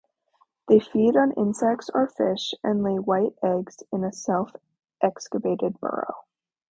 They feed on insects or fish, and lay white eggs in a self-excavated burrow.